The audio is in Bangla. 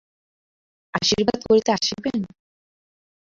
আশীর্বাদ করিতে আসিবেন?